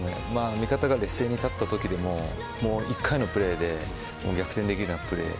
味方が劣勢に立ったときでも１回のプレーで逆転できるようなプレー。